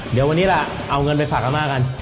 เดี๋ยววันนี้ล่ะเอาเงินไปฝากอาม่ากัน